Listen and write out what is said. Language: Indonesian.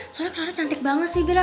soalnya clara cantik banget sih biira